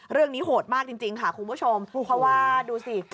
โหดมากจริงค่ะคุณผู้ชมเพราะว่าดูสิ